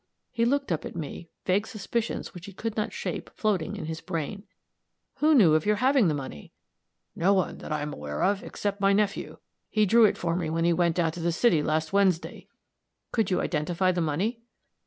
He looked up at me, vague suspicions which he could not shape floating in his brain. "Who knew of your having the money?" "No one, that I am aware of, except my nephew. He drew it for me when he went down to the city last Wednesday." "Could you identify the money?"